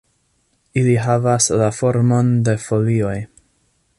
Ili havas la formon de folioj.